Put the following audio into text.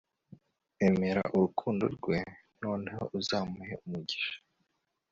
emera urukundo rwe, noneho uzamuhe umugisha